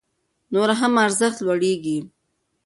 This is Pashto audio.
نور هم ارزښت يې لوړيږي